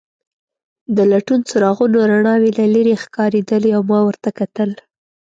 د لټون څراغونو رڼاوې له لیرې ښکارېدلې او ما ورته کتل.